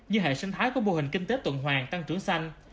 như hệ sinh thái của mô hình kinh tế tuần hoàng tăng trưởng xanh